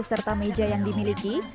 serta meja yang berbeda